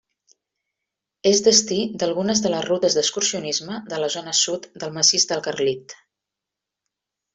És destí d'algunes de les rutes d'excursionisme de la zona sud del Massís del Carlit.